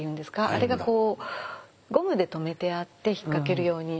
あれがこうゴムで留めてあって引っ掛けるように。